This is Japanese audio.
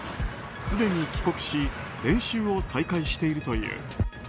すでに帰国し練習を再開しているという。